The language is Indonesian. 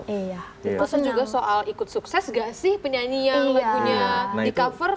terus juga soal ikut sukses gak sih penyanyi yang lagunya di cover